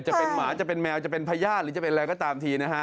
จะเป็นหมาจะเป็นแมวจะเป็นพญาติหรือจะเป็นอะไรก็ตามทีนะฮะ